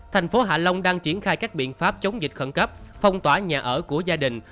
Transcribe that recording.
thành phố hạ long đang triển khai các biện pháp chống dịch khẩn cấp phong tỏa nhà ở của gia đình